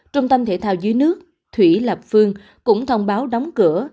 trung tâm thể thao dưới nước thủy lạp phương cũng thông báo đóng cửa